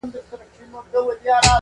سړې شپې يې تېرولې په خپل غار كي٫